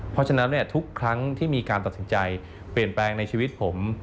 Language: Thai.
เพราะฉะนั้นทุกครั้งที่มีการตัดสินใจเปลี่ยนแปลงในชีวิตผม